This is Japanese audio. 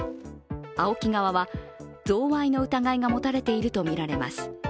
ＡＯＫＩ側は贈賄の疑いが持たれているとみられます。